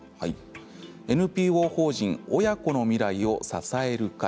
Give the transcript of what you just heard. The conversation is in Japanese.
ＮＰＯ法人親子の未来を支える会。